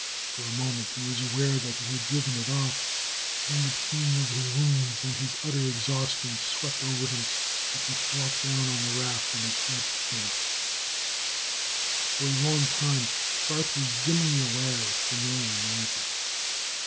For only a moment he was aware that he had driven it off; then the pain of his wounds and his utter exhaustion swept up over him, and he flopped down on the raft in a dead faint.... For a long time Garth was dimly aware of familiar noises.